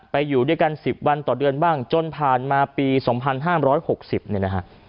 อยู่ด้วยกัน๑๐วันต่อเดือนบ้างจนผ่านมาปี๒๕๖๐เนี่ยนะฮะ